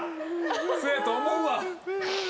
そうやと思うわ。